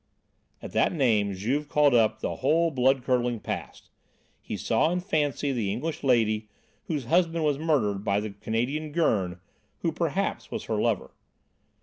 At that name Juve called up the whole blood curdling past! He saw in fancy the English lady[A] whose husband was murdered by the Canadian Gurn, who perhaps was her lover.